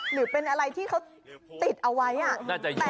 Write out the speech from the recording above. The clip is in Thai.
หรือเป็นอะไรที่เขาติดเอาไว้